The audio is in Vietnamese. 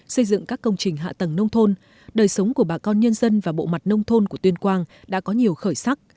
xây dựng các công trình hạ tầng nông thôn đời sống của bà con nhân dân và bộ mặt nông thôn của tuyên quang đã có nhiều khởi sắc